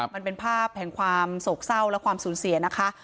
มันเป็นภาพแห่งความโศกเศร้าและความสูญเสียนะคะ